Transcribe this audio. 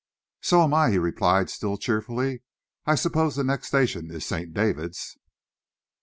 "So am I," he replied, still cheerfully. "I suppose the next station is St. David's?"